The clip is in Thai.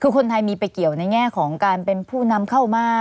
คือคนไทยมีไปเกี่ยวในแง่ของการเป็นผู้นำเข้ามา